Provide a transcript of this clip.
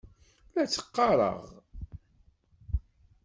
La t-teqqareḍ, naɣ?